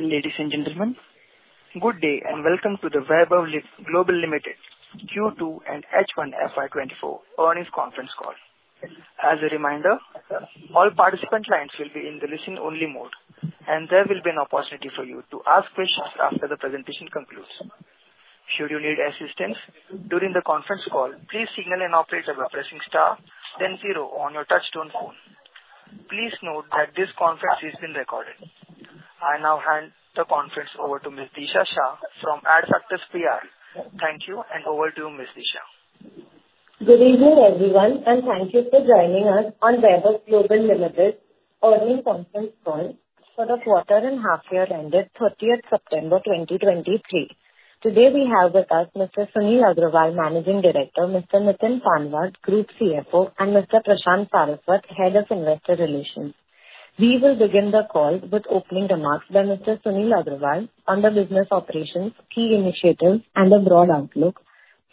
Ladies and gentlemen, good day, and welcome to the Vaibhav Global Limited Q2 and H1 FY24 Earnings Conference Call. As a reminder, all participant lines will be in the listen-only mode, and there will be an opportunity for you to ask questions after the presentation concludes. Should you need assistance during the conference call, please signal an operator by pressing star then zero on your touchtone phone. Please note that this conference is being recorded. I now hand the conference over to Ms. Disha Shah from Adfactors PR. Thank you, and over to you, Ms. Disha. Good evening, everyone, and thank you for joining us on Vaibhav Global Limited earnings conference call for the quarter and half year ended 30 September 2023. Today, we have with us Mr. Sunil Agrawal, Managing Director; Mr. Nitin Panwad, Group CFO; and Mr. Prashant Saraswat, Head of Investor Relations. We will begin the call with opening remarks by Mr. Sunil Agrawal on the business operations, key initiatives, and a broad outlook,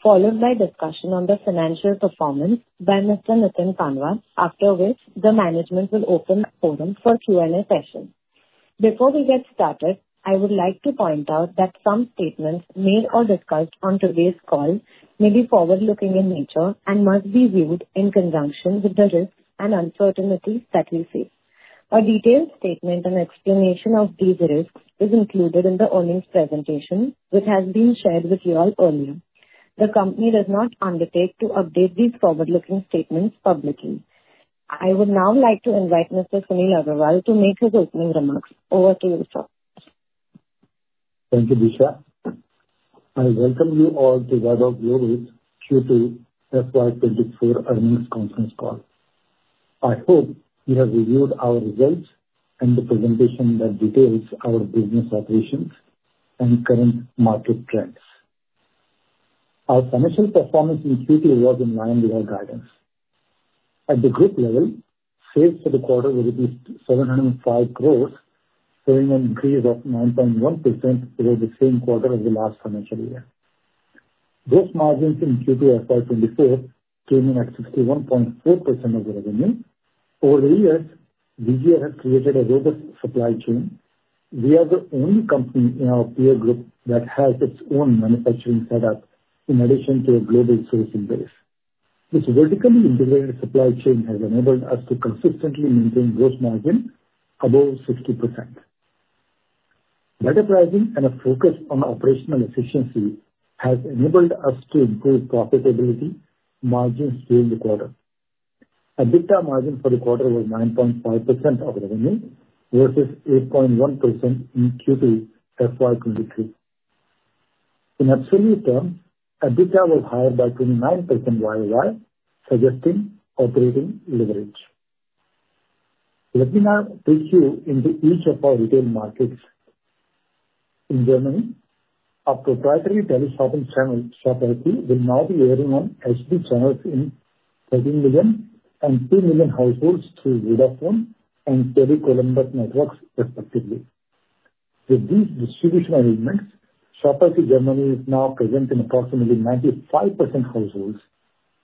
followed by discussion on the financial performance by Mr. Nitin Panwad, after which the management will open the forum for Q&A session. Before we get started, I would like to point out that some statements made or discussed on today's call may be forward-looking in nature and must be viewed in conjunction with the risks and uncertainties that we face. A detailed statement and explanation of these risks is included in the earnings presentation, which has been shared with you all earlier. The company does not undertake to update these forward-looking statements publicly. I would now like to invite Mr. Sunil Agrawal to make his opening remarks. Over to you, sir. Thank you, Disha. I welcome you all to Vaibhav Global Q2 FY2024 earnings conference call. I hope you have reviewed our results and the presentation that details our business operations and current market trends. Our financial performance in Q2 was in line with our guidance. At the group level, sales for the quarter were at 705 crores, showing an increase of 9.1% over the same quarter of the last financial year. Gross margins in Q2 FY2024 came in at 61.4% of the revenue. Over the years, VGL has created a robust supply chain. We are the only company in our peer group that has its own manufacturing setup in addition to a global sourcing base. This vertically integrated supply chain has enabled us to consistently maintain gross margin above 60%. Better pricing and a focus on operational efficiency has enabled us to improve profitability margins during the quarter. EBITDA margin for the quarter was 9.5% of revenue versus 8.1% in Q2 FY 2023. In absolute terms, EBITDA was higher by 29% YOY, suggesting operating leverage. Let me now take you into each of our retail markets. In Germany, our proprietary teleshopping channel, Shop LC, will now be airing on HD channels in 13 million and 2 million households through Vodafone and Tele Columbus networks, respectively. With these distribution arrangements, Shop LC Germany is now present in approximately 95% households,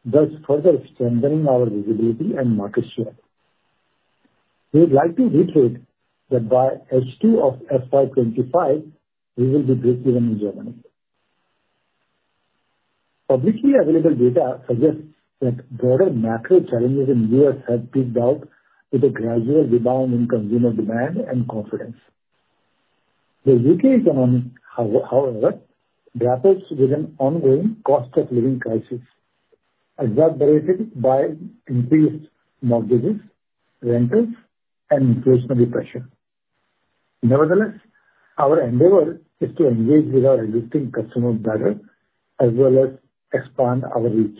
thus further strengthening our visibility and market share. We would like to reiterate that by H2 of FY 2025, we will be breakeven in Germany. Publicly available data suggests that broader macro challenges in U.S. have peaked out with a gradual rebound in consumer demand and confidence. The U.K. economy, however, grapples with an ongoing cost of living crisis, exacerbated by increased mortgages, rentals, and inflationary pressure. Nevertheless, our endeavor is to engage with our existing customers better as well as expand our reach.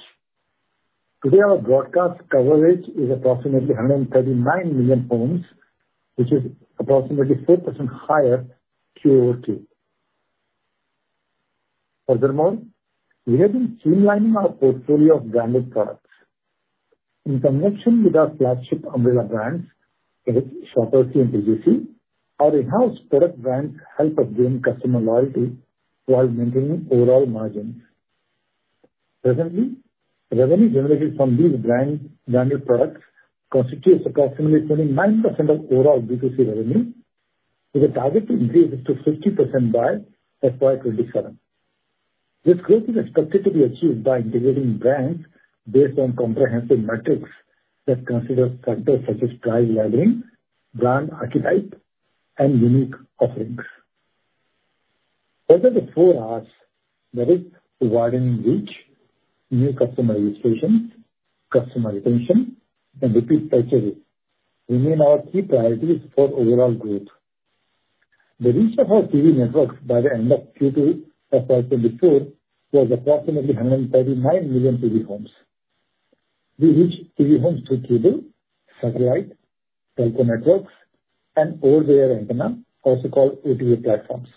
Today, our broadcast coverage is approximately 139 million homes, which is approximately 4% higher Q-o-Q. Furthermore, we have been streamlining our portfolio of branded products. In connection with our flagship umbrella brands, that is, Shop LC and TJC, our enhanced product brands help us gain customer loyalty while maintaining overall margins. Presently, revenue generated from these brands' branded products constitutes approximately 29% of overall B2C revenue, with a target to increase it to 50% by FY 2027. This growth is expected to be achieved by integrating brands based on comprehensive metrics that consider factors such as price laddering, brand archetype, and unique offerings. Further the four R's, that is, broadening reach, new customer registrations, customer retention, and repeat purchase rate, remain our key priorities for overall growth. The reach of our TV networks by the end of Q2 of FY 2024 was approximately 139 million TV homes. We reach TV homes through cable, satellite, telco networks, and over-the-air antenna, also called OTA platforms.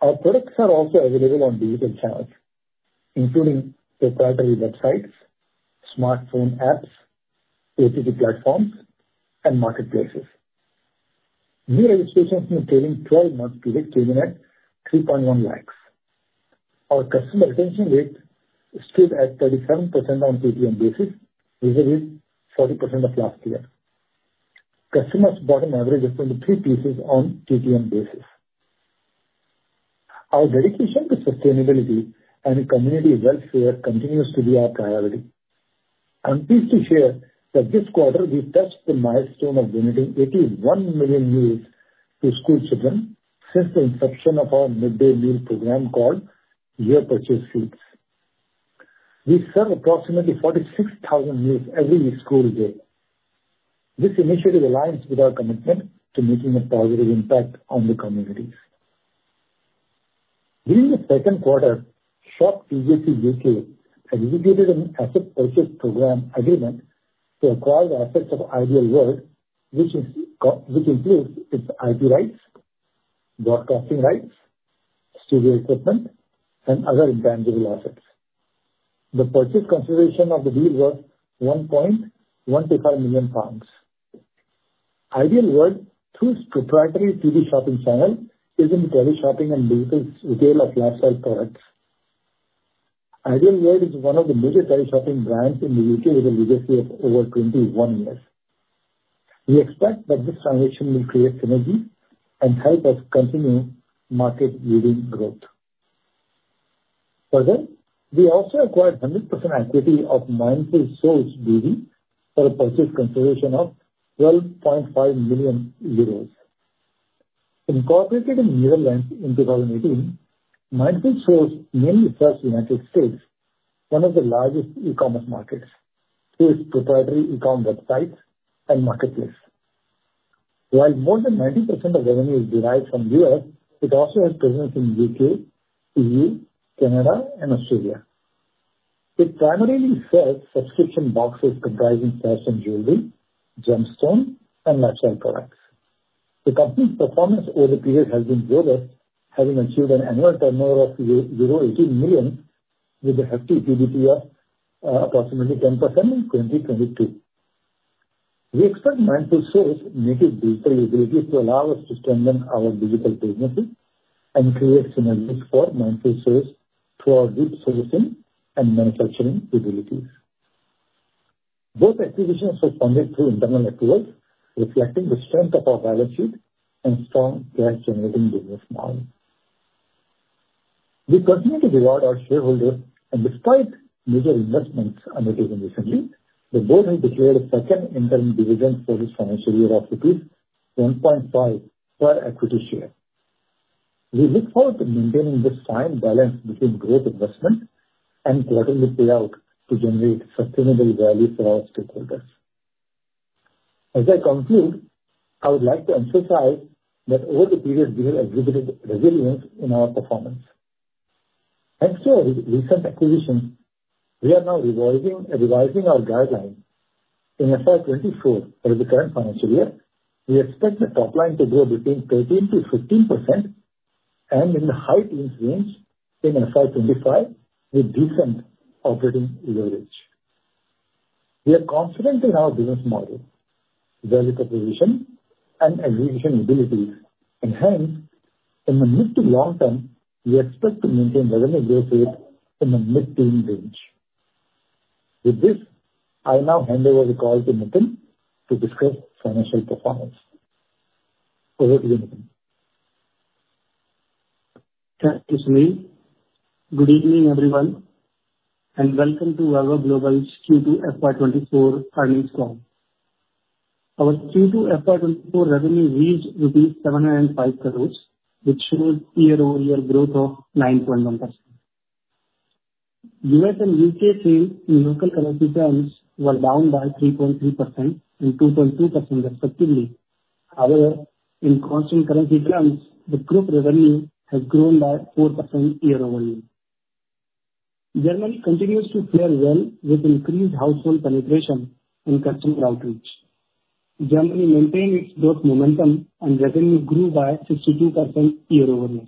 Our products are also available on digital channels, including their primary websites, smartphone apps, OTT platforms, and marketplaces. New registrations in the trailing twelve months period came in at 3.1 lakhs. Our customer retention rate is still at 37% on TTM basis, which is 40% of last year. Customers bought an average of 23 pieces on TTM basis. Our dedication to sustainability and community welfare continues to be our priority. I'm pleased to share that this quarter we touched the milestone of donating 81 million meals to school children since the inception of our midday meal program called Your Purchase Feeds. We serve approximately 46,000 meals every school day. This initiative aligns with our commitment to making a positive impact on the communities. During the second quarter, Shop TJC UK has executed an asset purchase agreement to acquire the assets of Ideal World, which includes its IP rights, broadcasting rights, studio equipment, and other intangible assets. The purchase consideration of the deal was 1.125 million pounds. Ideal World, through its proprietary TV shopping channel, is in the teleshopping and digital retail of lifestyle products. Ideal World is one of the major tele shopping brands in the UK, with a legacy of over 21 years. We expect that this transaction will create synergy and help us continue market-leading growth. Further, we also acquired 100% equity of Mindful Souls BV for a purchase consideration of 12.5 million euros. Incorporated in Netherlands in 2018, Mindful Souls mainly serves United States, one of the largest e-commerce markets, through its proprietary e-com websites and marketplace. While more than 90% of revenue is derived from US, it also has presence in UK, EU, Canada, and Australia. It primarily sells subscription boxes comprising fashion jewelry, gemstones, and lifestyle products. The company's performance over the period has been robust, having achieved an annual turnover of 18 million, with a healthy EBITDA approximately 10% in 2022. We expect Mindful Souls' native digital ability to allow us to strengthen our digital businesses and create synergies for Mindful Souls through our deep sourcing and manufacturing abilities. Both acquisitions were funded through internal accruals, reflecting the strength of our balance sheet and strong cash-generating business model. We continue to reward our shareholders, and despite major investments undertaken recently, the board has declared a second interim dividend for this financial year of rupees 1.5 per equity share. We look forward to maintaining this fine balance between growth investment and quarterly payout to generate sustainable value for our stakeholders. As I conclude, I would like to emphasize that over the period, we have exhibited resilience in our performance. And so with recent acquisitions, we are now revising our guidelines. In FY 2024, that is the current financial year, we expect the top line to grow between 13%-15% and in the high teens range in FY 2025, with decent operating leverage. We are confident in our business model, value proposition, and execution abilities, and hence, in the mid to long term, we expect to maintain revenue growth rate in the mid-teen range. With this, I now hand over the call to Nitin to discuss financial performance. Over to you, Nitin. Yeah, it's me. Good evening, everyone, and welcome to Vaibhav Global's Q2 FY 2024 earnings call. Our Q2 FY 2024 revenue reached INR 705 crores, which shows year-over-year growth of 9.1%. US and UK sales in local currency terms were down by 3.3% and 2.2% respectively. However, in constant currency terms, the group revenue has grown by 4% year-over-year. Germany continues to play well with increased household penetration and customer outreach. Germany maintained its growth momentum and revenue grew by 62% year-over-year.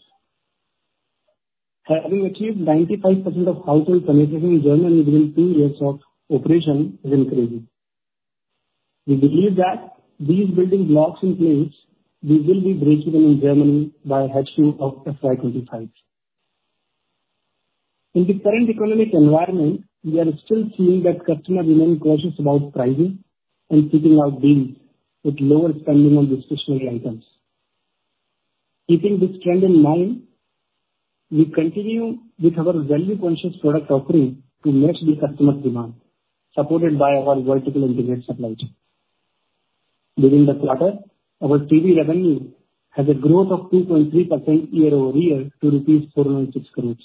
Having achieved 95% of household penetration in Germany within two years of operation is incredible. We believe that these building blocks in place, we will be breaking in Germany by halfway of FY 2025. In the current economic environment, we are still seeing that customers remain cautious about pricing and seeking out deals with lower spending on discretionary items. Keeping this trend in mind, we continue with our value-conscious product offering to match the customer demand, supported by our vertical integrated supply chain. During the quarter, our TV revenue has a growth of 2.3% year-over-year to rupees 4.6 crores.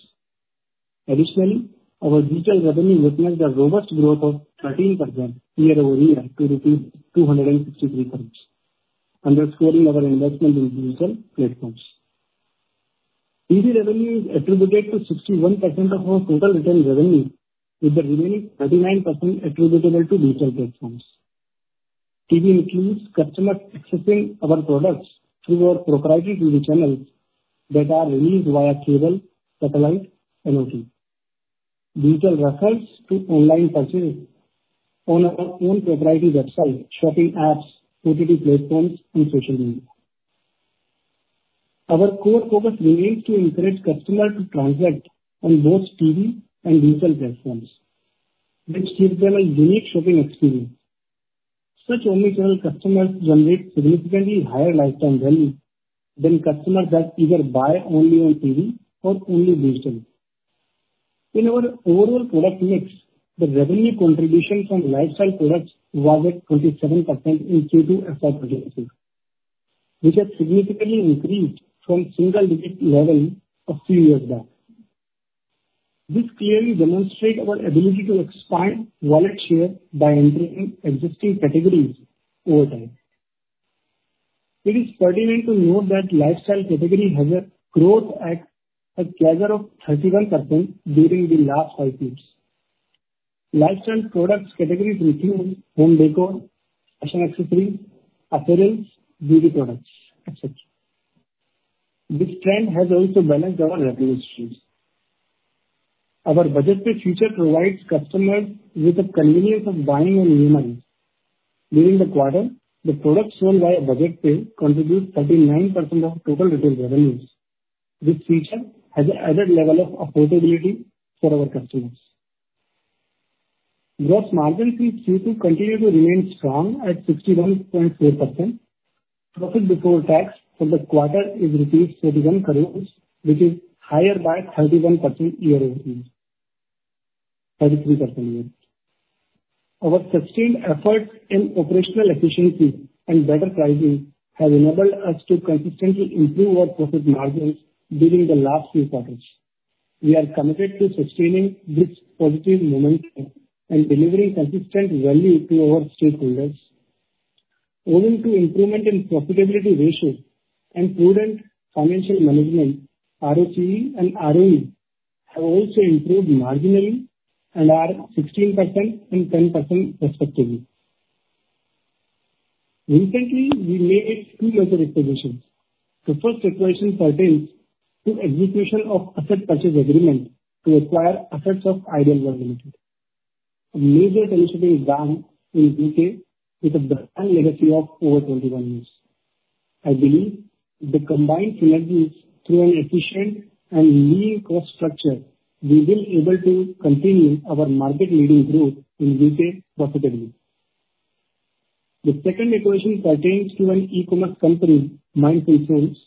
Additionally, our digital revenue witnessed a robust growth of 13% year-over-year to rupees 263 crores, underscoring our investment in digital platforms. TV revenue is attributed to 61% of our total retail revenue, with the remaining 39% attributable to digital platforms. TV includes customers accessing our products through our proprietary TV channels that are released via cable, satellite, and OTT. Digital refers to online purchases on our own proprietary website, shopping apps, OTT platforms, and social media. Our core focus remains to encourage customer to transact on both TV and digital platforms, which gives them a unique shopping experience. Such Omni-channel customers generate significantly higher lifetime value than customers that either buy only on TV or only digital. In our overall product mix, the revenue contribution from lifestyle products was at 27% in Q2 FY24, which has significantly increased from single digit level a few years back. This clearly demonstrate our ability to expand wallet share by entering existing categories over time. It is pertinent to note that lifestyle category has a growth at CAGR of 31% during the last five years. Lifestyle products categories include home decor, fashion accessories, apparels, beauty products, et cetera. This trend has also balanced our revenue streams. Our Budget Pay feature provides customers with the convenience of buying on installment. During the quarter, the products sold by Budget Pay contribute 39% of total retail revenues. This feature has an added level of affordability for our customers. Gross margins in Q2 continue to remain strong at 61.4%. Profit before tax for the quarter is rupees 31 crores, which is higher by 31% year-over-year, 33% year. Our sustained efforts in operational efficiency and better pricing have enabled us to consistently improve our profit margins during the last few quarters. We are committed to sustaining this positive momentum and delivering consistent value to our stakeholders. Owing to improvement in profitability ratios and prudent financial management, ROCE and ROE have also improved marginally and are 16% and 10% respectively. Recently, we made two major acquisitions. The first acquisition pertains to execution of asset purchase agreement to acquire assets of Ideal World Limited, a major television brand in U.K., with a brand legacy of over 21 years. I believe the combined synergies through an efficient and lean cost structure, we will able to continue our market leading growth in retail profitably. The second acquisition pertains to an e-commerce company, Mindful Souls,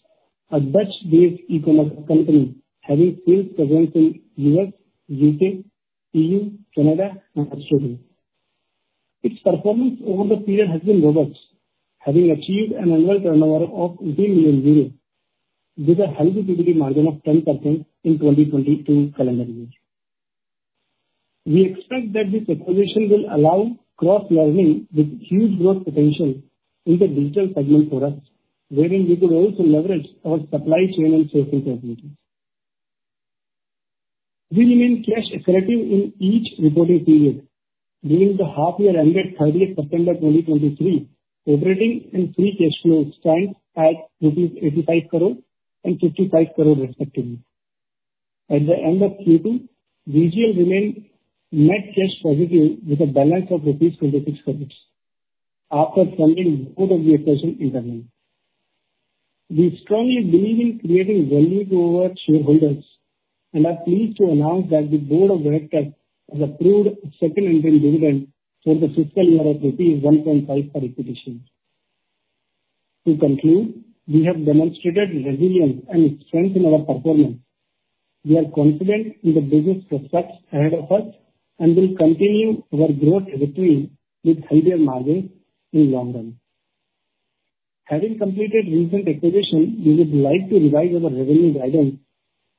a Dutch-based e-commerce company, having sales presence in U.S., U.K., EU, Canada, and Australia. Its performance over the period has been robust, having achieved an annual turnover of 18 million euros, with a healthy EBITDA margin of 10% in 2022 calendar year. We expect that this acquisition will allow cross-learning with huge growth potential in the digital segment for us, wherein we could also leverage our supply chain and sourcing capabilities. We remain cash accretive in each reporting period. During the half year ended 30 September 2023, operating and free cash flow stands at rupees 85 crore and 55 crore respectively. At the end of Q2, VGL remained net cash positive with a balance of 26 crores rupees, after spending more than we ever in the year. We strongly believe in creating value to our shareholders, and are pleased to announce that the board of directors has approved a second interim dividend for the fiscal year of rupees 1.5 per equity share. To conclude, we have demonstrated resilience and strength in our performance. We are confident in the business prospects ahead of us and will continue our growth trajectory with higher margins in the long run. Having completed recent acquisition, we would like to revise our revenue guidance.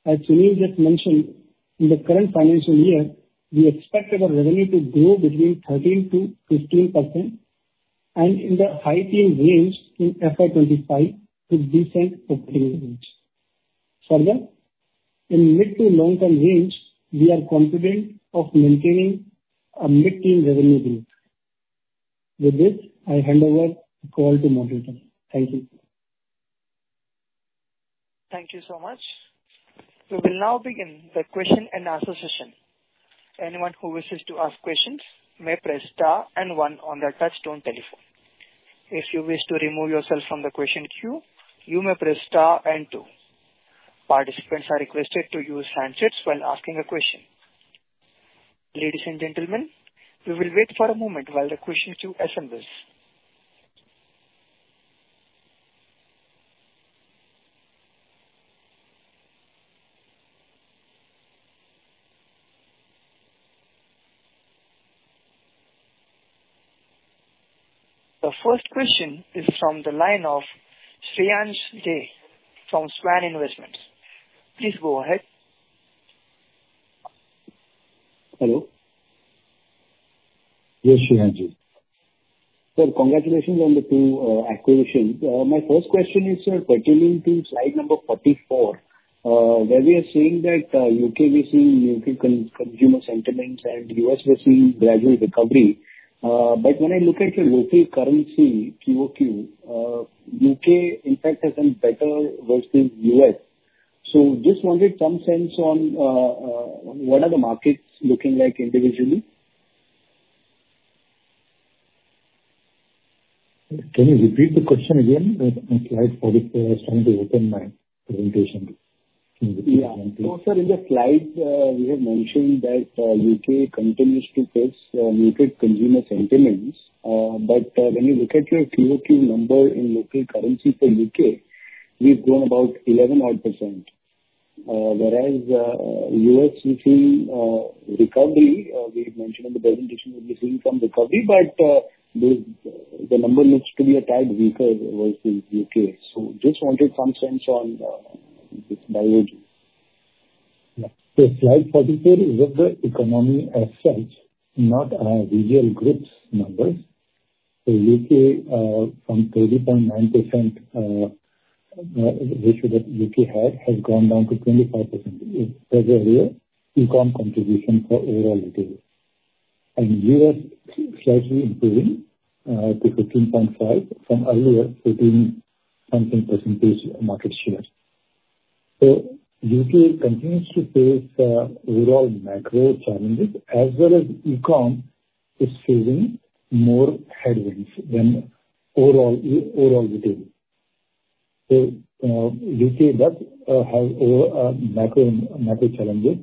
As Sunil just mentioned, in the current financial year, we expect our revenue to grow between 13%-15% and in the high-teens range in FY 2025, with decent operating margins. Further, in mid- to long-term range, we are confident of maintaining a mid-teens revenue growth. With this, I hand over the call to moderator. Thank you. Thank you so much. We will now begin the question and answer session. Anyone who wishes to ask questions may press star and one on their touch-tone telephone. If you wish to remove yourself from the question queue, you may press star and two. Participants are requested to use handsets when asking a question. Ladies and gentlemen, we will wait for a moment while the question queue assembles. The first question is from the line of Shreyansh Jain from Swan Investments. Please go ahead. Hello? Yes, Shreyansh Jain. Sir, congratulations on the two acquisitions. My first question is, sir, pertaining to slide number 44, where we are seeing that U.K. continues to face muted consumer sentiments and U.S. we're seeing gradual recovery. But when I look at the local currency Q-o-Q, U.K., in fact, has been better versus U.S. So just wanted some sense on what are the markets looking like individually? Can you repeat the question again? My slide was trying to open my presentation. Yeah. So sir, in the slide, we had mentioned that, U.K. continues to face, muted consumer sentiments. But, when you look at your Q-o-Q number in local currency for U.K., we've grown about 11 odd %. Whereas, U.S. we've seen, recovery, we had mentioned in the presentation we'll be seeing some recovery, but, the number looks to be a tad weaker versus U.K. So just wanted some sense on, this divergence. Yeah. So slide 43 is with the economy as such, not our Vaibhav Group's numbers. So U.K., from 30.9%, ratio that U.K. had, has gone down to 25% year-over-year e-com contribution for overall retail. And U.S. slightly improving, to 15.5% from earlier 13-something percentage market share. So U.K. continues to face overall macro challenges, as well as e-com is facing more headwinds than overall retail. So, U.K. does have overall macro challenges,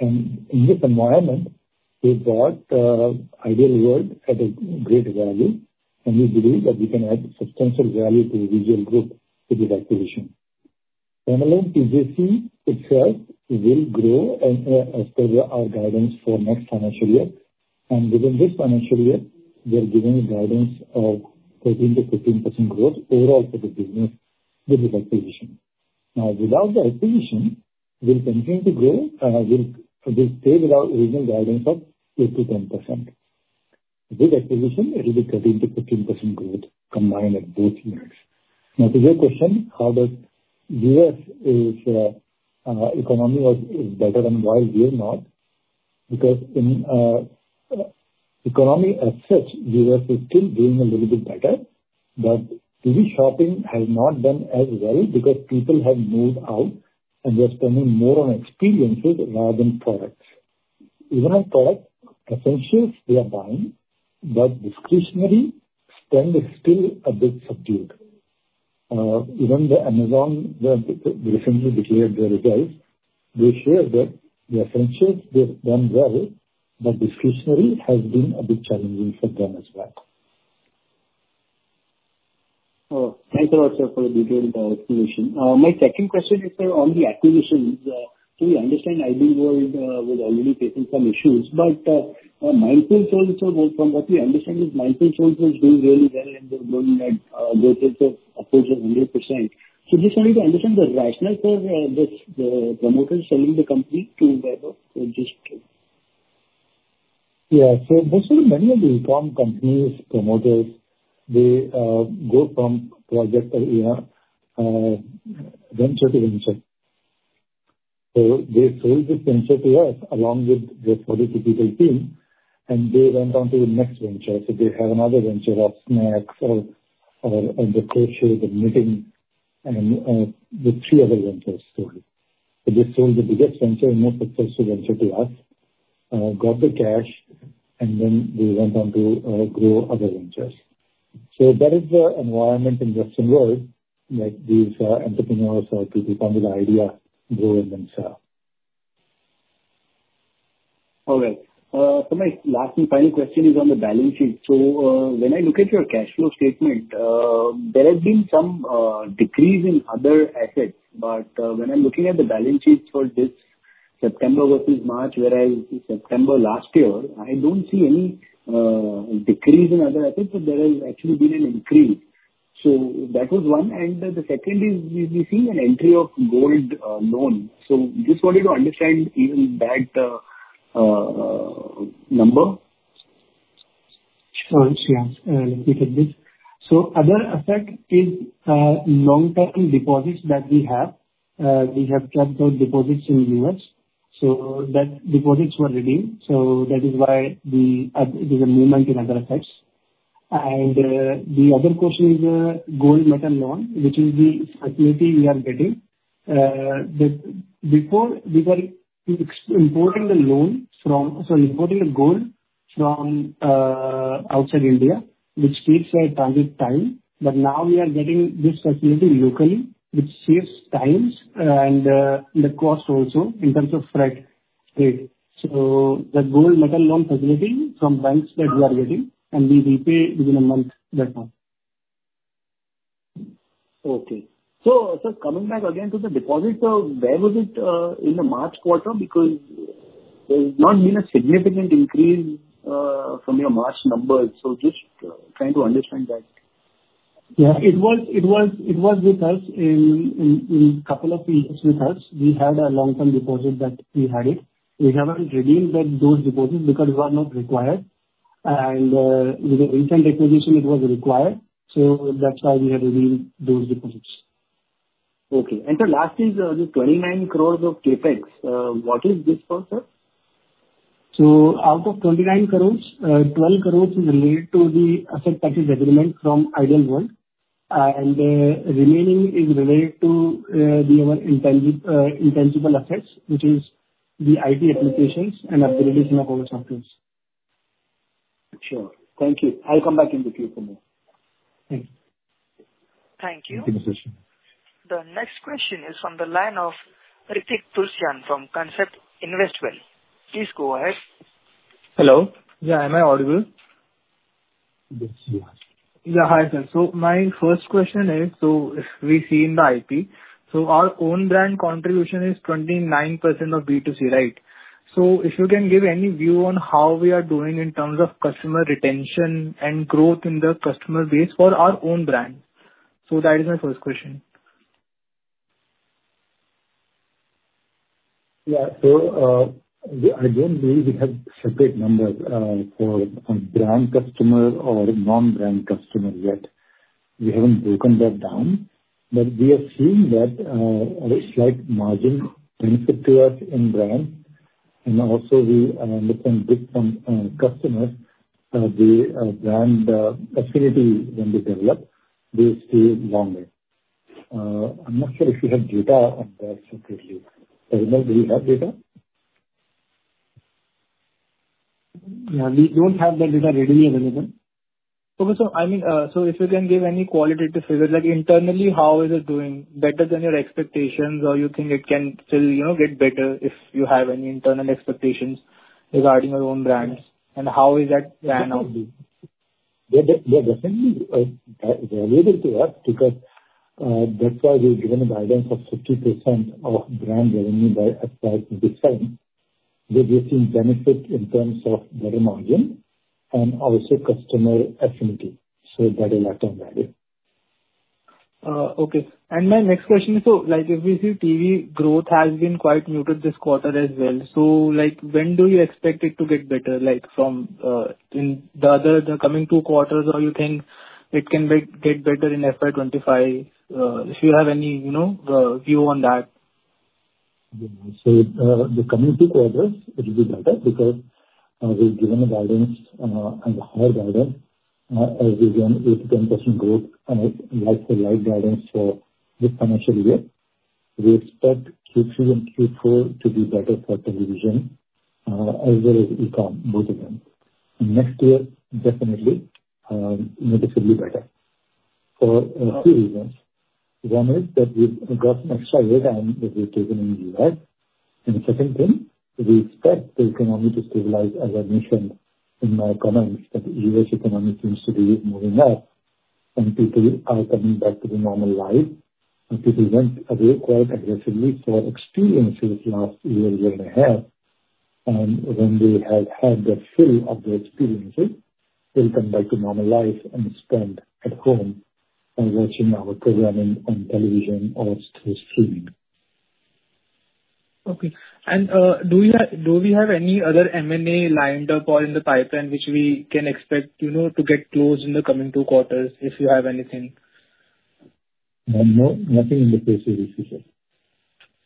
and in this environment, we bought Ideal World at a great value, and we believe that we can add substantial value to the Vaibhav Group with this acquisition. Similarly, TJC itself will grow and, as per our guidance for next financial year, and within this financial year, we are giving a guidance of 13%-15% growth overall for the business with this acquisition. Now, without the acquisition, we'll continue to grow, we'll stay with our original guidance of 8%-10%. With acquisition, it will be 13%-15% growth combined at both markets. Now, to your question, how the U.S. economy is better and why we are not? Because in economy as such, U.S. is still doing a little bit better, but TV shopping has not done as well because people have moved out and they're spending more on experiences rather than products. Even on product essentials, they are buying, but discretionary spend is still a bit subdued. Even the Amazon, they, they recently declared their results. They shared that the essentials did done well, but discretionary has been a bit challenging for them as well. Oh, thank you so much, sir, for the detailed explanation. My second question is, sir, on the acquisitions. So we understand Ideal World was already facing some issues, but Mindful Souls also, from what we understand, is doing really well, and they're growing at rates of approaching 100%. So just wanted to understand the rationale for this, the promoter selling the company to Vaibhav, which is true. Yeah. So basically, many of the e-com companies, promoters, they go from project, you know, venture to venture. So they sold this venture to us along with the 42 people team, and they went on to the next venture. So they have another venture of snacks or on the crochet, the knitting, and the three other ventures. So they sold the biggest venture, not the first venture to us, got the cash, and then we went on to grow other ventures. So that is the environment in Western world, like these entrepreneurs, people come with the idea, grow and then sell. All right. So my last and final question is on the balance sheet. So, when I look at your cash flow statement, there has been some decrease in other assets. But, when I'm looking at the balance sheet for this September versus March, whereas in September last year, I don't see any decrease in other assets, but there has actually been an increase. So that was one, and the second is, we see an entry of gold loan. So just wanted to understand even that number. Sure. Let me take this. So other asset is long-term deposits that we have. We have kept those deposits in U.S., so those deposits were redeemed, so that is why we have there is a movement in other assets. And the other question is gold metal loan, which is the facility we are getting. Before we were importing the gold from outside India, which takes a lot of time, but now we are getting this facility locally, which saves time and the cost also in terms of freight. So the gold metal loan facility from banks that we are getting, and we repay within a month that time. Okay. So, so coming back again to the deposits, where was it, in the March quarter? Because there's not been a significant increase, from your March numbers. So just, trying to understand that. Yeah, it was with us in a couple of years with us. We had a long-term deposit that we had it. We haven't redeemed those deposits because we are not required, and with the recent acquisition, it was required, so that's why we have redeemed those deposits. Okay. And the last is the 29 crores of CapEx. What is this for, sir? So out of 29 crores, 12 crores is related to the asset purchase agreement from Ideal World, and the remaining is related to the other intangible assets, which is the IP applications and the release of our samples. Sure. Thank you. I'll come back in the queue for more. Thank you. Thank you. The next question is from the line of Hritik Tulsyan from Concept Investwell. Please go ahead. Hello. Yeah, am I audible? Yes, we are. Yeah. Hi, sir. So my first question is, so if we see in the IP, so our own brand contribution is 29% of B2C, right? So if you can give any view on how we are doing in terms of customer retention and growth in the customer base for our own brand. So that is my first question. Yeah. So, we again have separate numbers for brand customer or non-brand customer yet. We haven't broken that down, but we are seeing that a slight margin benefit to us in brand, and also we look and build some customers the brand affinity when they develop, they stay longer. I'm not sure if you have data on that separately. Do you have data? Yeah, we don't have that data readily available. Okay. So, I mean, so if you can give any qualitative figure, like internally, how is it doing, better than your expectations, or you think it can still, you know, get better, if you have any internal expectations regarding your own brands, and how is that plan out doing? They're definitely available to us because that's why we've given a guidance of 50% of brand revenue by FY25. We're seeing benefit in terms of better margin and also customer affinity, so that a lot on value. Okay. And my next question, so like if we see TV, growth has been quite muted this quarter as well. So, like, when do you expect it to get better, like, from, in the other, the coming two quarters, or you think it can make, get better in FY 2025? If you have any, you know, view on that. So, the coming two quarters, it'll be better because, we've given a guidance, and a higher guidance, as we've done 8%-10% growth and like the right guidance for this financial year. We expect Q3 and Q4 to be better for television, as well as e-com, both of them. Next year, definitely, noticeably better for, two reasons. One is that we've got some extra time that we've taken in U.S. And the second thing, we expect the economy to stabilize, as I mentioned in my comments, that the U.S. economy seems to be moving up, and people are coming back to the normal life. People went away quite aggressively for experiences last year, year and a half, and when they have had their fill of the experiences, they'll come back to normal life and spend at home and watching our programming on television or through streaming. Okay. Do we have any other M&A lined up or in the pipeline, which we can expect, you know, to get closed in the coming two quarters, if you have anything? No, nothing in the foreseeable future.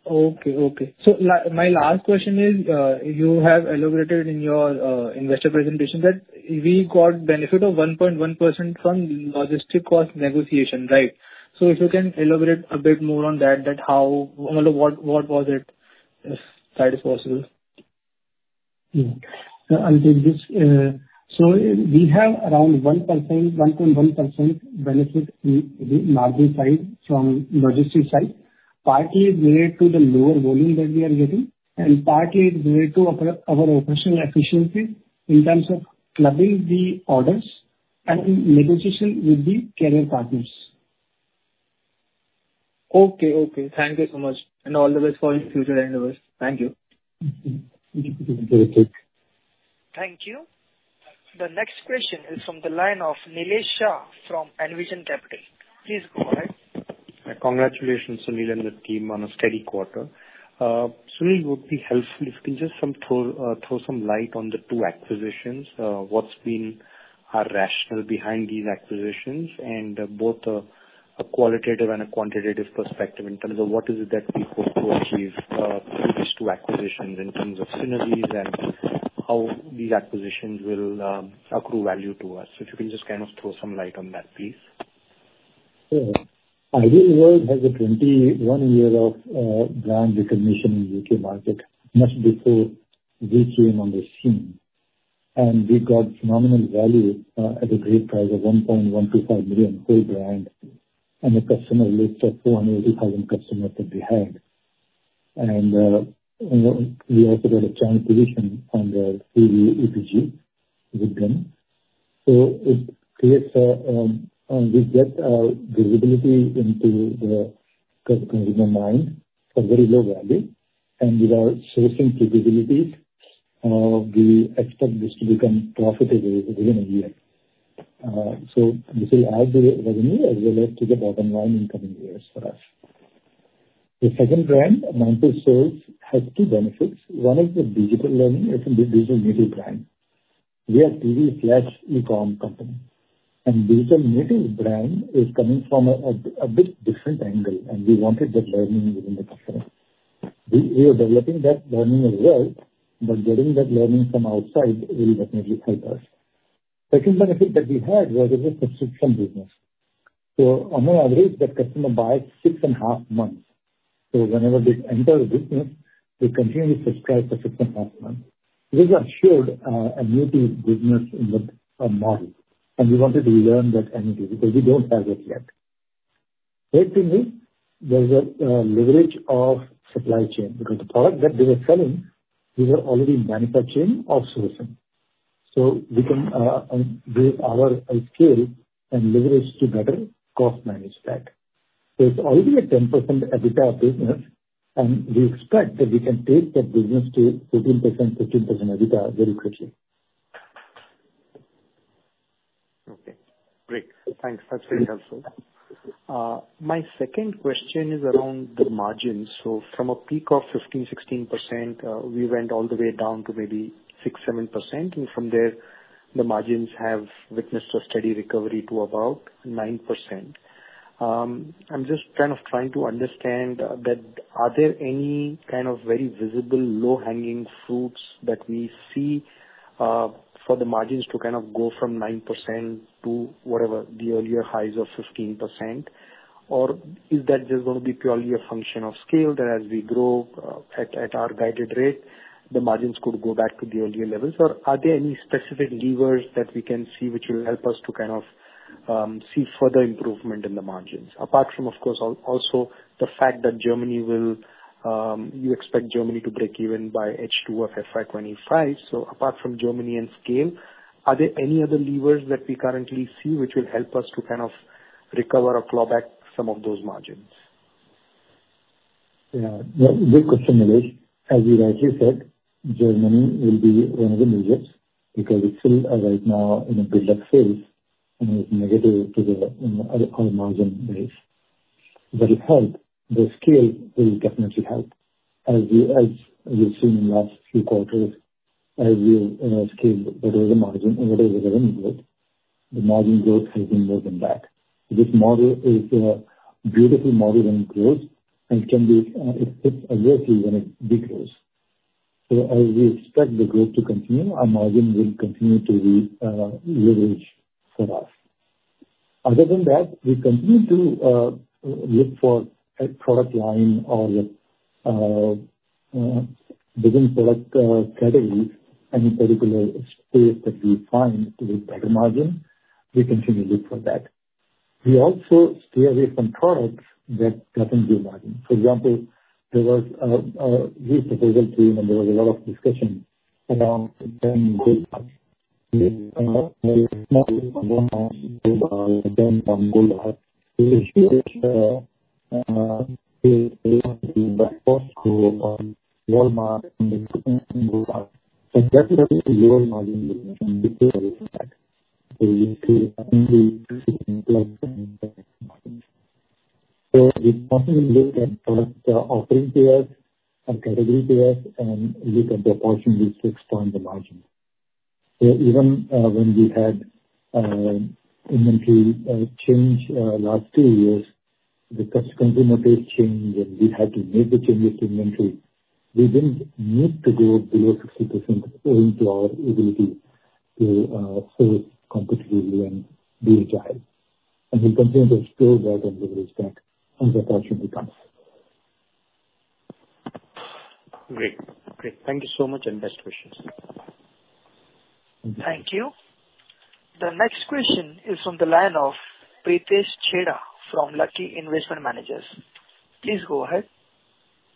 Okay, okay. So my last question is, you have elaborated in your investor presentation that we got benefit of 1.1% from logistics cost negotiation, right? So if you can elaborate a bit more on that, that how or what, what was it, if that is possible? So I'll take this. So we have around 1%, 1.1% benefit in the margin side from logistics side, partly related to the lower volume that we are getting, and partly related to our operational efficiency in terms of clubbing the orders and negotiation with the carrier partners. Okay, okay. Thank you so much, and all the best for your future endeavors. Thank you. Mm-hmm. Thank you. Thank you. The next question is from the line of Nilesh Shah from Envision Capital. Please go ahead. Congratulations, Sunil and the team, on a steady quarter. Sunil, would be helpful if you can throw some light on the two acquisitions. What's been our rationale behind these acquisitions, and both a qualitative and a quantitative perspective in terms of what is it that we hope to achieve these two acquisitions in terms of synergies and how these acquisitions will accrue value to us? If you can just kind of throw some light on that, please. Sure. Ideal World has a 21-year of brand recognition in U.K. market, much before this came on the scene. And we got phenomenal value at a great price of 1.125 million whole brand, and a customer list of 480,000 customers that we had. And we also got a giant position on the TV EPG with them. So it creates a we get visibility into the customer mind for very low value, and without sourcing credibility we expect this to become profitable within a year. So this will add the revenue as well as to the bottom line in coming years for us. The second brand, Mindful Souls, has two benefits. One is the digital learning, it's a digital media brand. We are TV/e-com company, and digital native brand is coming from a bit different angle, and we wanted that learning within the customer. We are developing that learning as well, but getting that learning from outside will definitely help us. Second benefit that we had was as a subscription business. So on an average, that customer buys six and a half months. So whenever they enter the business, they continually subscribe for six and a half months. These are assured annuity business in the model, and we wanted to learn that annuity because we don't have it yet. Thirdly, there's a leverage of supply chain, because the product that they were selling, we were already manufacturing ourselves. So we can build our scale and leverage to better cost manage that. It's already a 10% EBITDA business, and we expect that we can take that business to 14%-15% EBITDA very quickly. Okay, great. Thanks. That's very helpful. My second question is around the margins. So from a peak of 15%-16%, we went all the way down to maybe 6%-7%, and from there, the margins have witnessed a steady recovery to about 9%. I'm just kind of trying to understand that are there any kind of very visible low-hanging fruits that we see for the margins to kind of go from 9% to whatever the earlier highs of 15%? Or is that just going to be purely a function of scale, that as we grow at our guided rate, the margins could go back to the earlier levels? Or are there any specific levers that we can see which will help us to kind of see further improvement in the margins, apart from, of course, also the fact that Germany will. You expect Germany to break even by H2 of FY25. So apart from Germany and scale, are there any other levers that we currently see which will help us to kind of recover or claw back some of those margins? Yeah. Great question, Nilesh. As you rightly said, Germany will be one of the majors, because it's still right now in a build-up phase, and it's negative to the our margin base. But it help, the scale will definitely help. As we, as you've seen in the last few quarters, as we scale better the margin and better the revenue growth, the margin growth has been more than that. This model is a beautiful model when it grows and can be it, it's ugly when it decreases. So as we expect the growth to continue, our margin will continue to be leverage for us. Other than that, we continue to look for a product line or within product categories, any particular space that we find with better margin, we continue to look for that. We also stay away from products that doesn't give margin. For example, there was, we proposed to, and there was a lot of discussion around gold. So we constantly look at product offering to us and category to us, and look at the opportunity to expand the margin. So even, when we had, inventory, change, last two years, the customer consumer taste changed, and we had to make the changes to inventory. We didn't need to go below 60% in our ability to, sell competitively and be agile, and we continue to scale that and leverage back as the opportunity comes. Great. Great. Thank you so much, and best wishes. Thank you. The next question is from the line of Pritesh Chedda from Lucky Investment Managers. Please go ahead.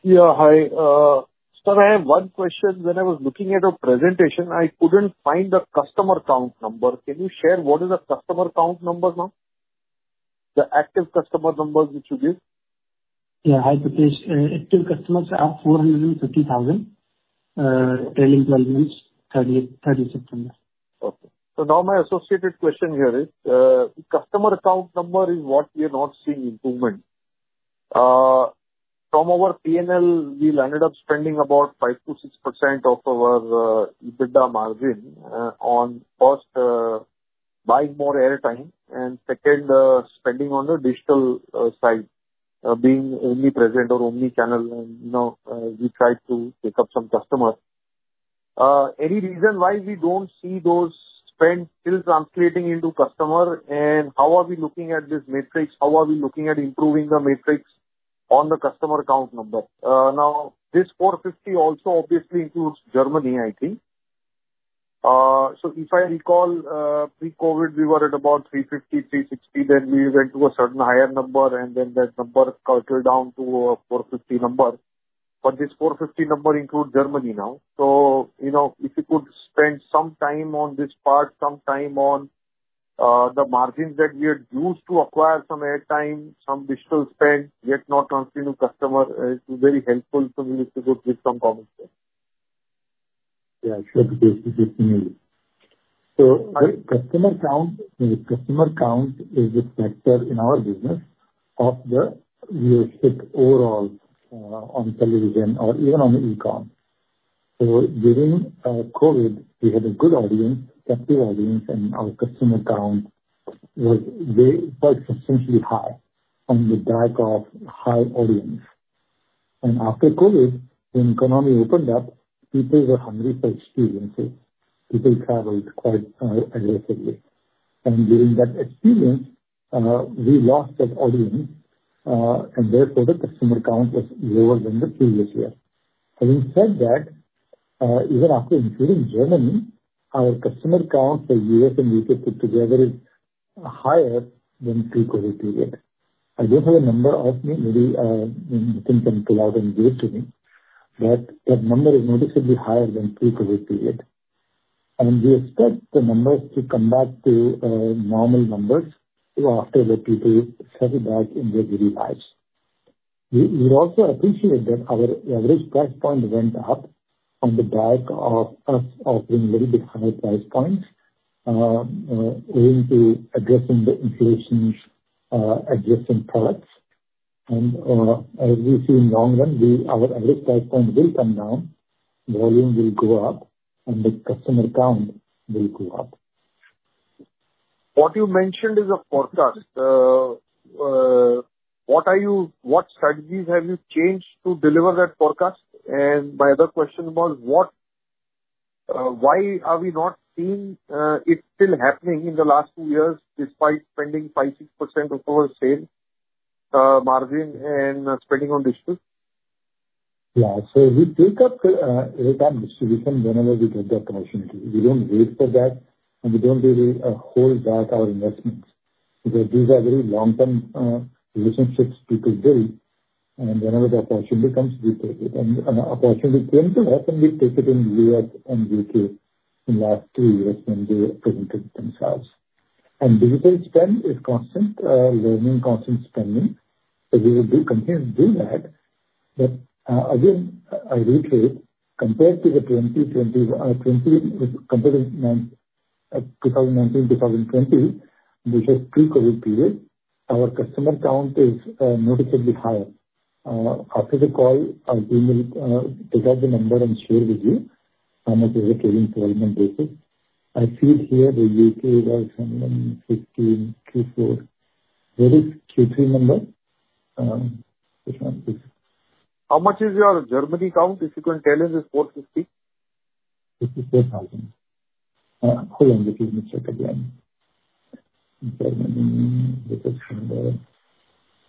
Yeah, hi. So I have one question. When I was looking at a presentation, I couldn't find the customer count number. Can you share what is the customer count number now? The active customer numbers which you give. Yeah. Hi, Pritesh. Active customers are 450,000, trailing twelve months, 30 September. Okay. So now my associated question here is, customer account number is what we are not seeing improvement. From our PNL, we landed up spending about 5%-6% of our EBITDA margin on first, buying more airtime, and second, spending on the digital side, being only present or only channel, and, you know, we tried to pick up some customers. Any reason why we don't see those spends still translating into customer, and how are we looking at this matrix? How are we looking at improving the matrix on the customer count number? Now, this 450 also obviously includes Germany, I think. So if I recall, pre-COVID, we were at about 350, 360, then we went to a certain higher number, and then that number cluttered down to a 450 number. But this 450 number includes Germany now. So, you know, if you could spend some time on this part, some time on the margins that we had used to acquire some airtime, some digital spend, yet not transferring to customer, it's very helpful for me to get some comments there. Yeah, sure, Pritesh. So our customer count, customer count is a factor in our business. Of the U.S. hit overall, on television or even on e-com. So during COVID, we had a good audience, active audience, and our customer count was very, was essentially high on the back of high audience. And after COVID, when economy opened up, people were hungry for experiences. People traveled quite, aggressively. And during that experience, we lost that audience, and therefore the customer count was lower than the previous year. Having said that, even after including Germany, our customer count for U.S. and U.K. put together is higher than pre-COVID period. I don't have a number off me, maybe, Nitin can pull out and give it to me, but that number is noticeably higher than pre-COVID period. We expect the numbers to come back to normal numbers after the people settle back in their daily lives. We also appreciate that our average price point went up on the back of us offering little bit higher price points owing to addressing the inflation, addressing products. As we see in long run, our average price point will come down, volume will go up, and the customer count will go up. What you mentioned is a forecast. What are you—what strategies have you changed to deliver that forecast? My other question was, what, why are we not seeing it still happening in the last two years, despite spending 5-6% of our sales margin and spending on digital? Yeah. So we take up return distribution whenever we get the opportunity. We don't wait for that, and we don't really hold back our investments, because these are very long-term relationships we could build, and whenever the opportunity comes, we take it. And opportunity came to happen, we take it in U.S. and U.K. in last two years when they presented themselves. And digital spend is constant learning, constant spending, so we will be continue to do that. But again, I repeat, compared to the 2020, 2020, compared to 2019 to 2020, which is pre-COVID period, our customer count is noticeably higher. After the call, our team will take out the number and share with you how much is the current development basis. I see here the UK was 715 Q4. Where is Q3 number? How much is your Germany count, if you can tell us, is 450? 54,000. Hold on, let me check again. Germany, it is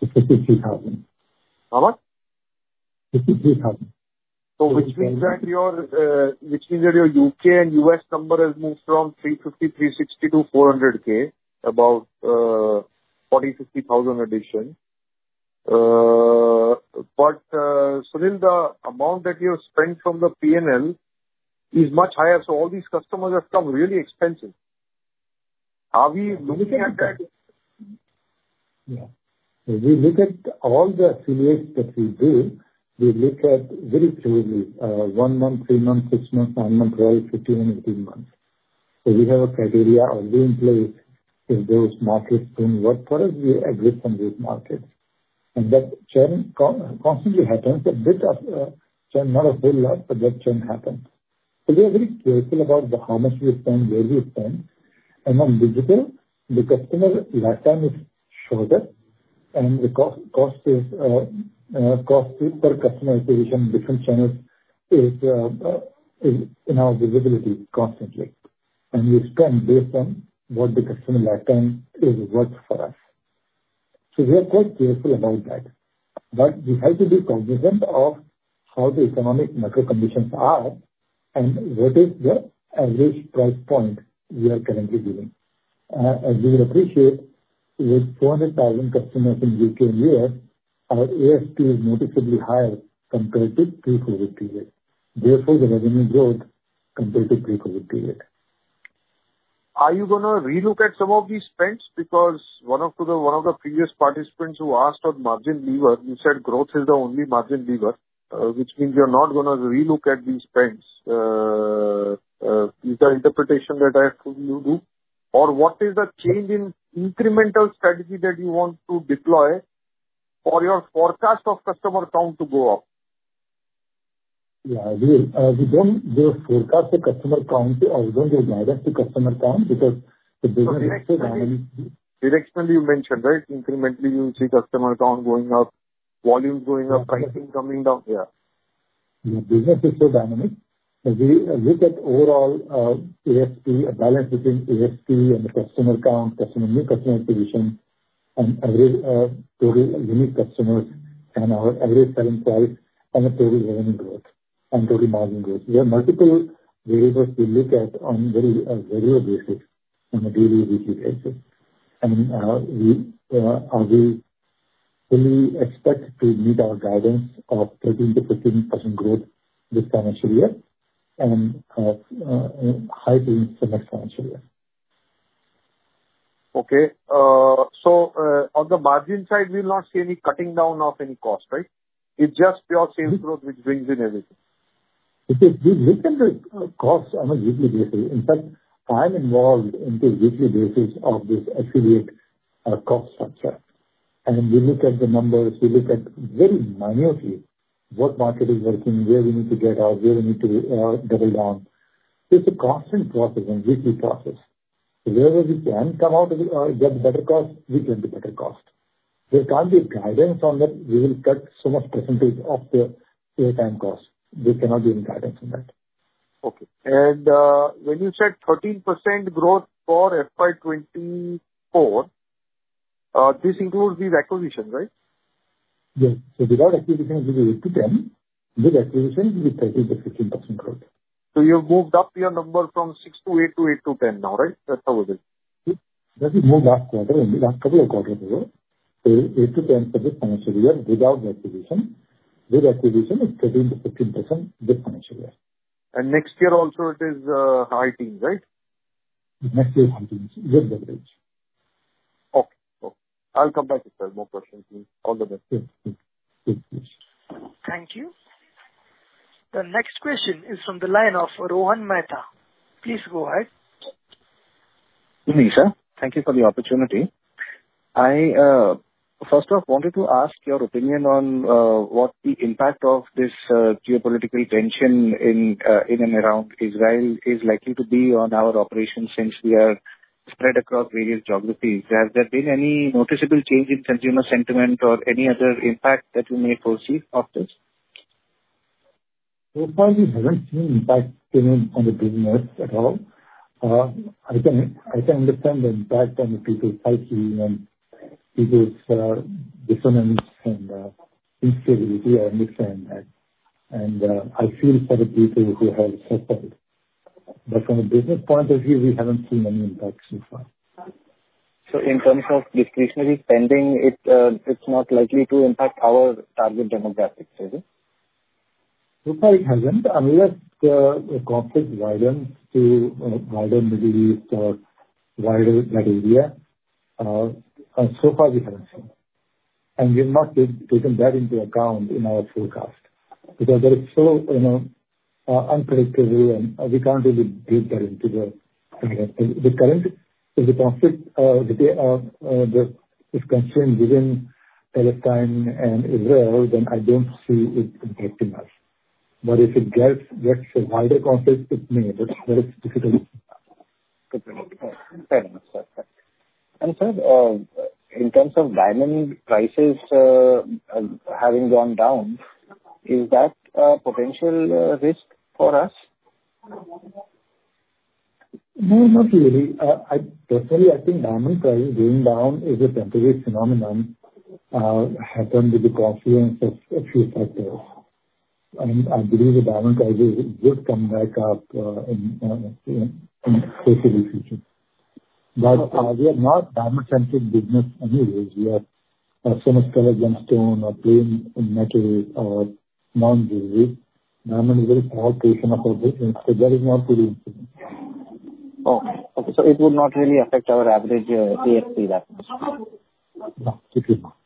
153,000. How much? Fifty-three thousand. So which means that your, which means that your UK and US number has moved from 350-360 to 400,000, about 40,000-50,000 addition. But, Sunil, the amount that you have spent from the PNL is much higher, so all these customers have come really expensive. Are we looking at that? Yeah. We look at all the affiliates that we do, we look at very clearly, 1 month, 3 months, 6 months, 9 months, 12, 15, and 18 months. So we have a criteria already in place in those markets, then what products we agree from these markets. And that churn constantly happens, a bit of, churn, not a big lot, but that churn happens. So we are very careful about the, how much we spend, where we spend. And on digital, the customer lifetime is shorter, and the cost is, cost per customer acquisition, different channels is, in our visibility constantly. And we spend based on what the customer lifetime is worth for us. So we are quite careful about that, but we have to be cognizant of how the economic macro conditions are and what is the average price point we are currently giving. As you will appreciate, with 400,000 customers in U.K. and U.S., our ASP is noticeably higher compared to pre-COVID period, therefore the revenue growth compared to pre-COVID period. Are you gonna relook at some of these spends? Because one of the, one of the previous participants who asked on margin lever, you said growth is the only margin lever, which means you're not gonna relook at these spends. Is the interpretation that I have to do, or what is the change in incremental strategy that you want to deploy for your forecast of customer count to go up? Yeah, we, we don't just forecast the customer count, we also don't just manage the customer count because the business is so dynamic. Directionally, you mentioned, right? Incrementally, you see customer count going up, volume going up, pricing coming down. Yeah. The business is so dynamic, but we look at overall, ASP, a balance between ASP and the customer count, customer, new customer acquisition, and average, total unique customers and our average selling price, and the total revenue growth and total margin growth. We have multiple variables we look at on very, variable basis, on a daily, weekly basis. We expect to meet our guidance of 13%-15% growth this financial year and high teens% the next financial year. Okay. So, on the margin side, we'll not see any cutting down of any cost, right? It's just your sales growth which brings in everything.... We look at the costs on a weekly basis. In fact, I'm involved into weekly basis of this affiliate cost structure. And we look at the numbers, we look at very minutely, what market is working, where we need to get out, where we need to double down. It's a constant process and weekly process. Wherever we can come out with get better cost, we get the better cost. There can't be a guidance on that, we will cut so much percentage of the airtime cost. There cannot be any guidance on that. Okay. And, when you said 13% growth for FY 2024, this includes the acquisition, right? Yes. So without acquisition, it will be 8-10. With acquisition, it will be 13%-15% growth. So you've moved up your number from 6 to 8, to 8 to 10 now, right? That's how it is. Yes, we moved last quarter, in the last couple of quarters ago. So 8-10 for this financial year without acquisition. With acquisition, it's 13%-15% this financial year. Next year also it is, high teens, right? Next year, high teens, with leverage. Okay. Okay, I'll come back if I have more questions. All the best. Mm-hmm. Mm. Thank you. The next question is from the line of Rohan Mehta. Please go ahead. Good evening, sir. Thank you for the opportunity. I first off wanted to ask your opinion on what the impact of this geopolitical tension in and around Israel is likely to be on our operations, since we are spread across various geographies. Has there been any noticeable change in consumer sentiment or any other impact that you may foresee of this? So far, we haven't seen impact on the business at all. I can understand the impact on the people's psyche and people's dissonance and instability. I understand that. I feel for the people who have suffered. But from a business point of view, we haven't seen any impact so far. So in terms of discretionary spending, it's not likely to impact our target demographics, is it? So far it hasn't, unless the conflict widen to widen maybe widen that area, and so far we haven't seen. We've not taken that into account in our forecast, because that is so, you know, unpredictable, and we can't really build that into the current. If the conflict is concerned within Palestine and Israel, then I don't see it impacting us. But if it gets a wider conflict, it may, but that is difficult. Okay. Fair enough. Perfect. And sir, in terms of diamond prices, having gone down, is that a potential risk for us? No, not really. I personally, I think diamond prices going down is a temporary phenomenon, happened with the confluence of a few factors. And I believe the diamond prices would come back up, in closer the future. But, we are not diamond-centric business anyways. We are as so much colored gemstone or plain in metal or non-jewel. Diamond is a very small portion of our business, so that is not really important. Okay. Okay, so it would not really affect our average ASP that much? No, it will not.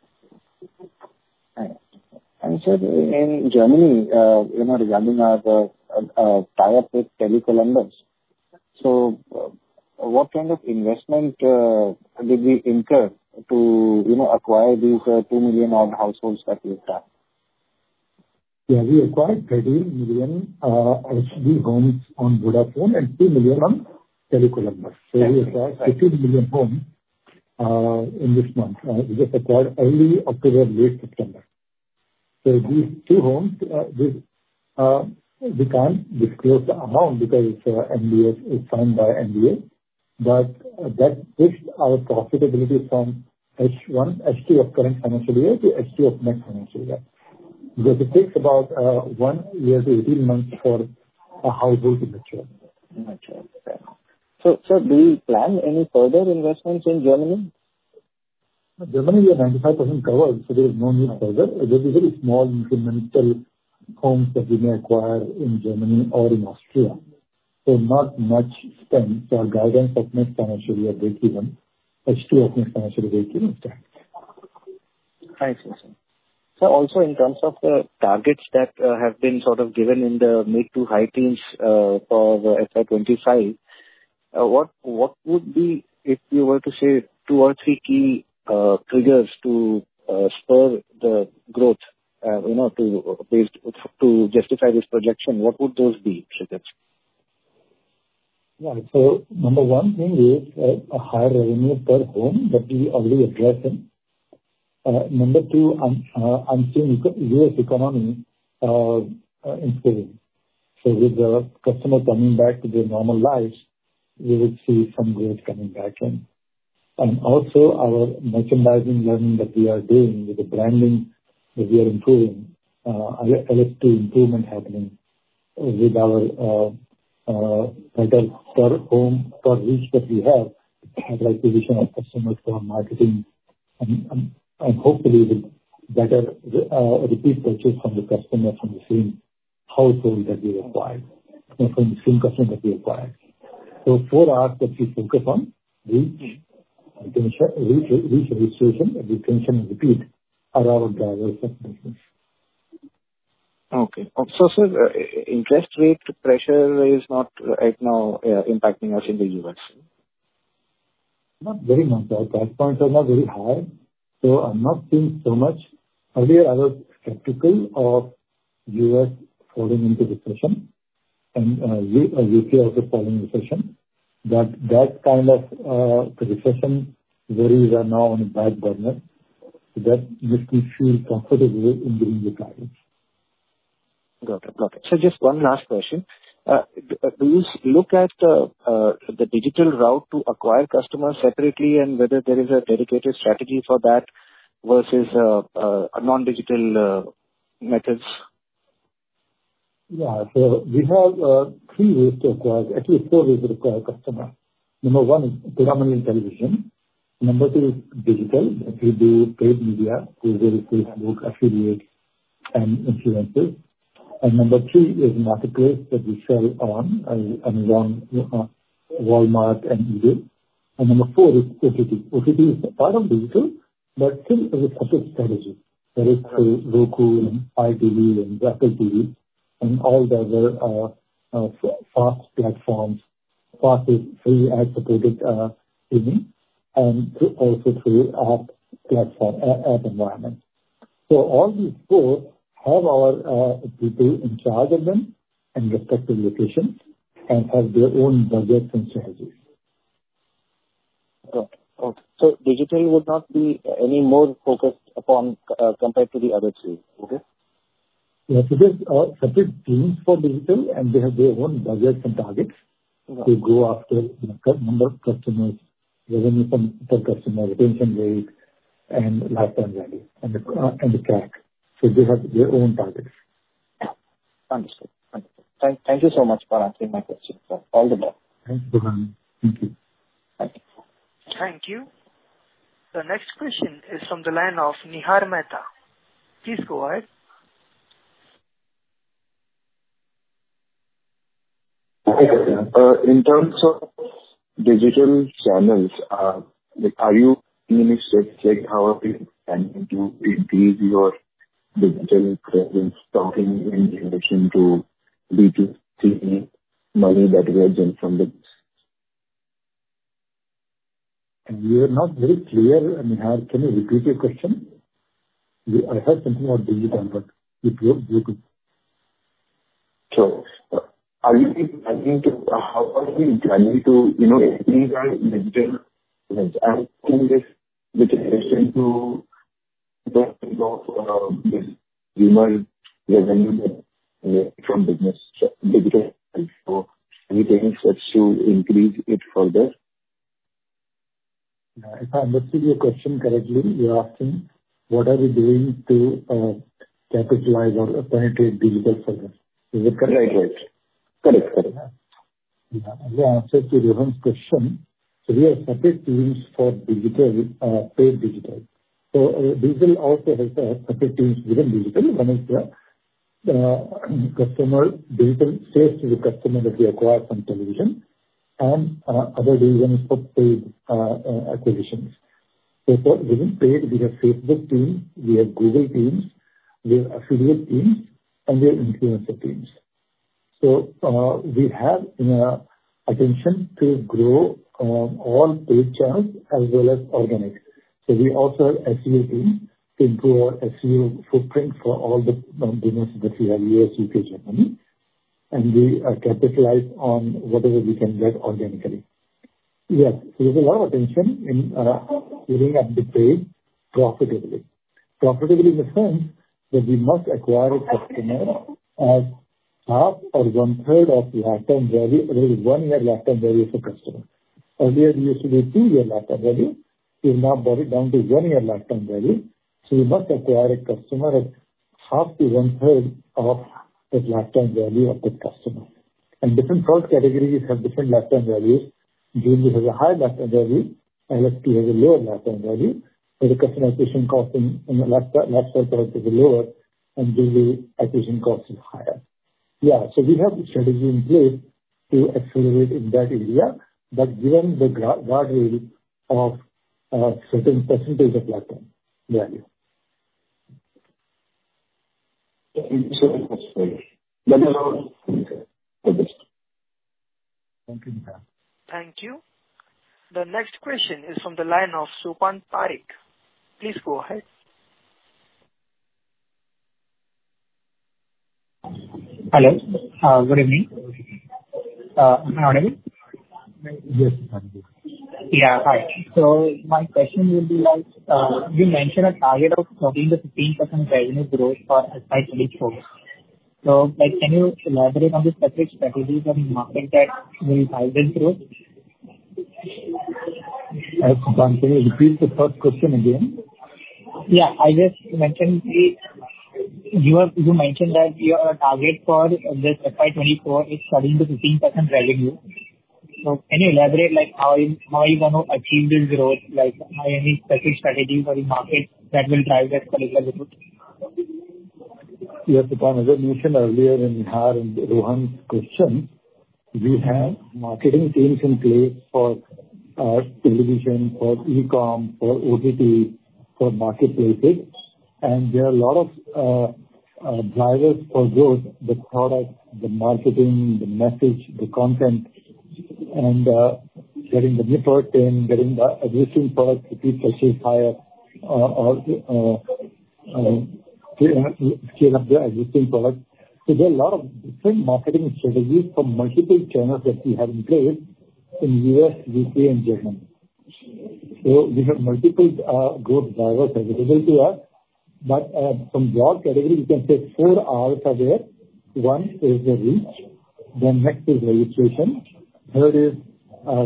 Sir, in Germany, you know, Germany has a tie-up with Tele Columbus. So, what kind of investment did we incur to, you know, acquire these 2 million odd households that we've got? Yeah, we acquired 13 million RGB homes on Vodafone and 2 million on Tele Columbus. Right. So we acquired 15 million homes in this month. We just acquired early October, late September. So these two homes, we can't disclose the amount because NDA, it's signed by NDA. But that takes our profitability from H1, H2 of current financial year to H2 of next financial year. Because it takes about 1 year to 18 months for a household to mature. Got you. Fair enough. So, sir, do you plan any further investments in Germany? Germany, we are 95% covered, so there is no need further. There is very small incremental homes that we may acquire in Germany or in Austria. So not much spend. Our guidance of next financial year break even, H2 of next financial year break even time. Thanks, sir. Sir, also, in terms of the targets that have been sort of given in the mid to high teens for FY 2025, what would be, if you were to say two or three key triggers to spur the growth, you know, to based to justify this projection, what would those be, triggers? Yeah. So number one thing is, a higher revenue per home, that we already addressing. Number two, I'm seeing the U.S. economy, improving. So with the customer coming back to their normal lives, we will see some growth coming back in. And also our merchandising learning that we are doing, with the branding that we are improving, I, I look to improvement happening with our, better per home, per reach that we have, like, position of customers for marketing and, and, and hopefully with better, repeat purchase from the customer, from the same household that we acquired, and from the same customer that we acquired. So four Rs that we focus on, reach, retention, reach, reach, retention, and retention and repeat are our drivers of business. Okay. So, interest rate pressure is not right now impacting us in the U.S.? Not very much. Our price points are not very high, so I'm not seeing so much. Earlier, I was skeptical of U.S. falling into recession and U.K. also falling in recession, but that kind of, the recession worries are now on the back burner. That makes me feel comfortable in doing the guidance. Got it. Okay. So just one last question. Do you look at the digital route to acquire customers separately, and whether there is a dedicated strategy for that versus, a non-digital, methods? Yeah. So we have three ways to acquire, at least four ways to acquire customer. Number one is predominantly television. Number two is digital. It will be paid media, who very frequently book affiliate and influencers. And number three is marketplace that we sell on, Amazon, Walmart, and eBay. And number four is OTT. OTT is part of digital, but still is a separate strategy. That is through Roku and ITV and DirecTV and all the other fast platforms, FAST, free ad-supported TV, and also through app platform, app environment. So all these four have our people in charge of them in respective locations and have their own budgets and strategies. Okay. So digitally would not be any more focused upon, compared to the other three, okay? Yes, it is, separate teams for digital, and they have their own budgets and targets- Okay. to go after the current number of customers, revenue from per customer, retention rate, and lifetime value, and the, and the track. So they have their own targets. Yeah. Understood. Understood. Thank, thank you so much for answering my question, sir. All the best. Thank you, Rohan. Thank you. Thank you. Thank you. The next question is from the line of Nihar Mehta. Please go ahead. Hi, Nihar. In terms of digital channels, are you in any step, like, how are you planning to increase your digital presence, talking in relation to B2C money that we have done from the- You are not very clear, Nihar. Can you repeat your question? I heard something about digital, but repeat, please. So are you planning to... How are we planning to, you know, increase our digital presence and in this with relation to the this remote revenue from business digital? So anything that should increase it further? If I understood your question correctly, you're asking what are we doing to, capitalize or penetrate digital further? Is it correct? Right. Right. Correct. Correct. Yeah. The answer to Rohan's question, so we have separate teams for digital, paid digital. So, digital also has separate teams within digital. One is the customer digital sales to the customer that we acquire from television and other reasons for paid acquisitions. So within paid, we have Facebook teams, we have Google teams, we have affiliate teams, and we have influencer teams. So, we have attention to grow all paid channels as well as organic. So we also have SEO team to improve our SEO footprint for all the business that we have, U.S., U.K., Germany, and we capitalize on whatever we can get organically. Yes, there's a lot of attention in building up the paid profitably. Profitably in the sense that we must acquire customer at half or one third of the lifetime value, or is one year lifetime value of a customer. Earlier it used to be two-year lifetime value, we've now brought it down to one-year lifetime value. So we must acquire a customer at half to one third of the lifetime value of that customer. And different product categories have different lifetime values, jewelry has a higher lifetime value, lifestyle has a lower lifetime value, so the customer acquisition cost in the lifetime value is lower, and daily acquisition cost is higher. Yeah, so we have a strategy in place to accelerate in that area, but given the guard rail of a certain percentage of lifetime value. Thank you so much. You're welcome. Thank you. Thank you. Thank you. The next question is from the line of Tapan Parekh. Please go ahead. Hello, good evening. Am I audible? Yes. Yeah, hi. So my question would be, like, you mentioned a target of 14%-15% revenue growth for FY 2024. So, like, can you elaborate on the specific strategies on marketing that will drive this growth? Supan, can you repeat the first question again? Yeah, I just mentioned. You mentioned that your target for this FY 2024 is 13%-15% revenue. So can you elaborate, like, how you're going to achieve this growth? Like, are any specific strategies or the markets that will drive that particular growth? Yes, Tapan, as I mentioned earlier in Nihar and Rohan's question, we have marketing teams in place for television, for e-com, for OTT, for marketplace. And there are a lot of drivers for growth, the product, the marketing, the message, the content, and getting the network in, getting the existing product to purchase higher, or scale up the existing product. So there are a lot of different marketing strategies from multiple channels that we have in place in US, UK, and Germany. So we have multiple growth drivers available to us, but from broad category, you can take four Rs are there. One is the reach, then next is the repetition, third is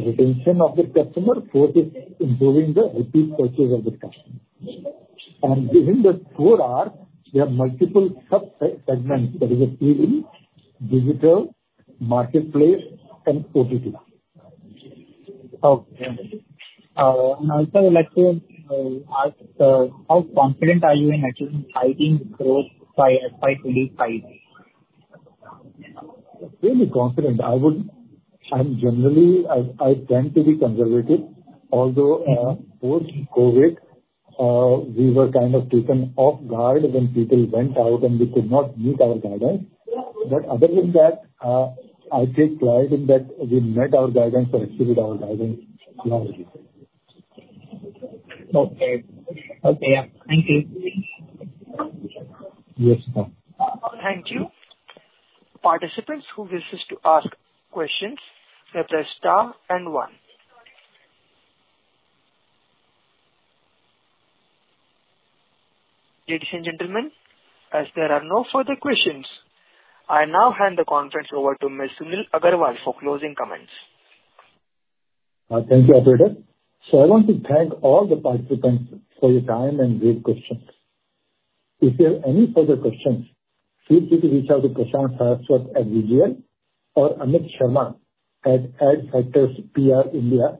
retention of the customer, fourth is improving the repeat purchase of the customer. Within the four R, we have multiple subsegments, that is, TV, digital, marketplace, and OTT. Okay. And I also would like to ask how confident are you in achieving 15 growth by FY 2025? Really confident. I'm generally I tend to be conservative, although post-COVID we were kind of taken off guard when people went out and we could not meet our guidance. But other than that I take pride in that we met our guidance and exceeded our guidance largely. Okay. Okay, yeah. Thank you. Yes. Thank you. Participants who wish to ask questions, press star and one. Ladies and gentlemen, as there are no further questions, I now hand the conference over to Mr. Sunil Agrawal for closing comments. Thank you, operator. So I want to thank all the participants for your time and great questions. If you have any further questions, feel free to reach out to Prashant Saraswat at VGL or Amit Sharma at Adfactors PR India,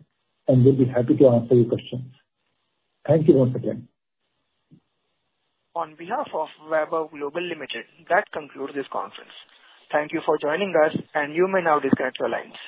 and we'll be happy to answer your questions. Thank you once again. On behalf of Vaibhav Global Limited, that concludes this conference. Thank you for joining us, and you may now disconnect your lines.